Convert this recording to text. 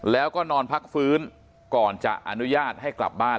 แล้วก็นอนพักฟื้นก่อนจะอนุญาตให้กลับบ้าน